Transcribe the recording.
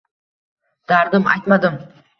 Dardim aytmadim.